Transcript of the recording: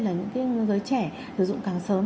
là những người trẻ sử dụng càng sớm